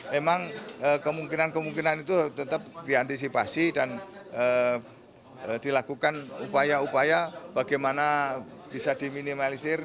memang kemungkinan kemungkinan itu tetap diantisipasi dan dilakukan upaya upaya bagaimana bisa diminimalisir